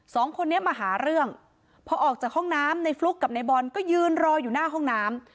สองคนนี้มาหาเรื่องพอออกจากห้องน้ำในฟลุ๊กกับในบอลก็ยืนรออยู่หน้าห้องน้ำ